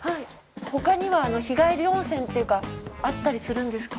他にはあの日帰り温泉っていうかあったりするんですか？